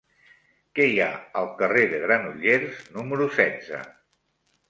Què hi ha al carrer de Granollers número setze?